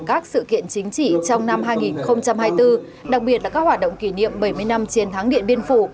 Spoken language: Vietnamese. các sự kiện chính trị trong năm hai nghìn hai mươi bốn đặc biệt là các hoạt động kỷ niệm bảy mươi năm chiến thắng điện biên phủ